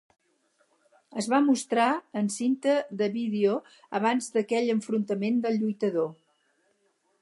Es va mostrar en cinta de vídeo abans d'aquell enfrontament del lluitador.